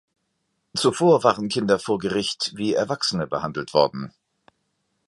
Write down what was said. Zuvor waren Kinder vor Gericht wie Erwachsene behandelt worden.